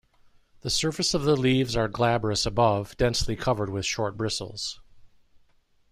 The surface of the leaves are glabrous above, densely covered with short bristles.